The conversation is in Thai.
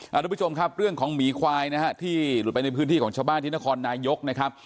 หลักคุณผู้ชมครับเรื่องของหมีควายนะครับที่หลุดไปในพื้นที่ของชาวบ้านทินทรนไนยกนะคะ